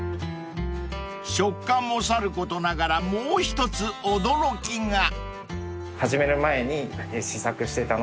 ［食感もさることながらもう一つ驚きが］